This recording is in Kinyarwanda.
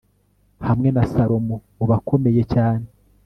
hamwe na salomo mubakomeye cyane